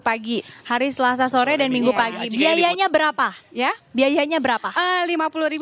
pagi hari selasa sore dan minggu pagi biayanya berapa ya biayanya berapa lima puluh sampai enam puluh lima puluh